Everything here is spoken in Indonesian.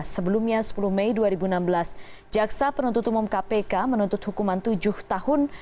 sebelumnya sepuluh mei dua ribu enam belas jaksa penuntut umum kpk menuntut hukuman tujuh tahun